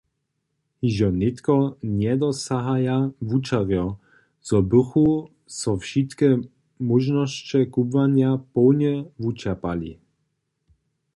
Hižo nětko njedosahaja wučerjo, zo bychy so wšitke móžnosće kubłanja połnje wučerpali.